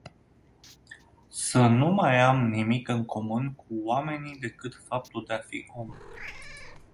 Să nu mai ai nimic în comun cu oamenii decât faptul de afi om.